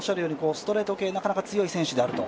ストレート系なかなか強い選手であると。